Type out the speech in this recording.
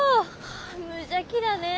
無邪気だねえ。